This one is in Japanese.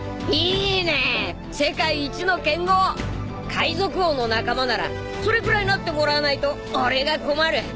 海賊王の仲間ならそれくらいなってもらわないと俺が困る。